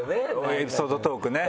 エピソードトークね。